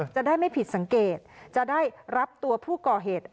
จะได้ไม่ผิดสังเกตจะได้รับตัวผู้ก่อเหตุ